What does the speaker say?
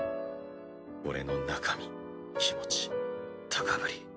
俺の中身気持ち高ぶり。